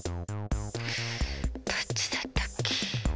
どっちだったっけ。